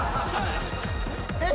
えっ？